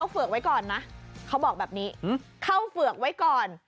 เฝือกไว้ก่อนนะเขาบอกแบบนี้เข้าเฝือกไว้ก่อน